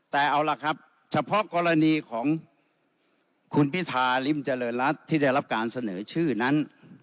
แต่เอาล่ะครับเฉพาะกรณีของคุณพิธาริมเจริญรัฐที่ได้รับการเสนอชื่อนั้น